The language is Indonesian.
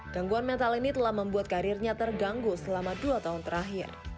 gangguan mental ini telah membuat karirnya terganggu selama dua tahun terakhir